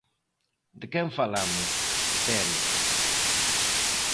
De quen falamos, Terio?